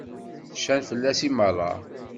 Cfant fell-as i meṛṛa.